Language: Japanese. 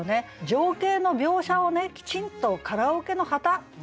情景の描写をきちんと「カラオケの旗」っていうところ。